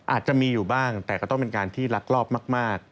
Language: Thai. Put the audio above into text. อาจจะมีอยู่บ้างแต่ก็ต้องเป็นการที่ลักลอบมาก